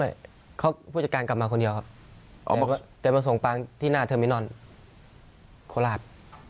ไม่เขาผู้จัดการกลับมาคนเดียวครับแต่มาส่งปางที่หน้าเทอร์มินอนโคราช